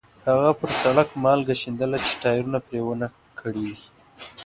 هغه پر سړک مالګه شیندله چې ټایرونه پرې ونه کړېږي.